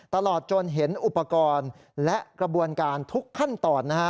ตลอดจนเห็นอุปกรณ์และกระบวนการทุกขั้นตอนนะฮะ